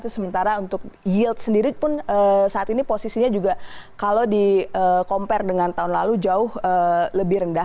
sementara untuk yield sendiri pun saat ini posisinya juga kalau di compare dengan tahun lalu jauh lebih rendah